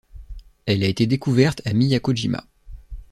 Elle a été découverte à Miyako-jima.